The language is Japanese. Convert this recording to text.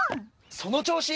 その調子！